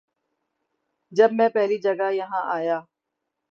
جب میں پہلی جگہ یہاں آیا تھا